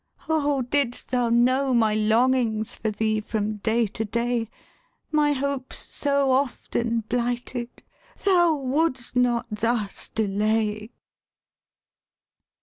Oh, didst thou know my longings For thee, from day to day, My hopes, so often blighted, Thou wouldst not thus delay!